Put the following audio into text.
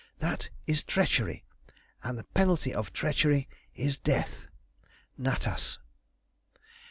That is treachery, and the penalty of treachery is death. NATAS.